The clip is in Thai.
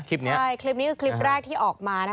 คลิปนี้คือคลิปแรกที่ออกมา